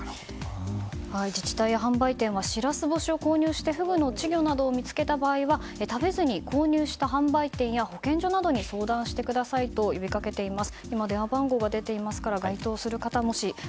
自治体や販売店はシラス干しを購入してフグの稚魚などを見つけた場合は食べずに購入した販売店や保健所などに相談してくださいと呼びかけています。